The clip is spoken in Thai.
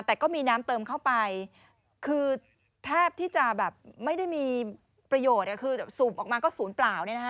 แต่ก็มีน้ำเติมเข้าไปคือแทบที่จะแบบไม่ได้มีประโยชน์คือสูบออกมาก็ศูนย์เปล่า